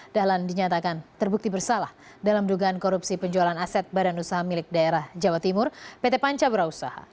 dahlan dinyatakan terbukti bersalah dalam dugaan korupsi penjualan aset badan usaha milik daerah jawa timur pt panca brausaha